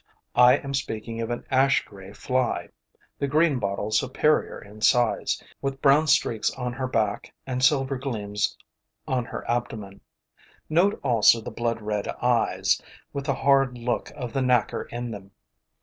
I am speaking of an ash gray fly, the greenbottle's superior in size, with brown streaks on her back and silver gleams on her abdomen. Note also the blood red eyes, with the hard look of the knacker in them.